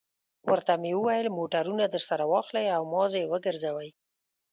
ورته مې وویل: موټرونه درسره واخلئ او مازې یې وګرځوئ.